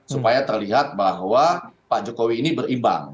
supaya terlihat bahwa pak jokowi ini berimbang